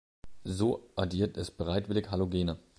So addiert es bereitwillig Halogene.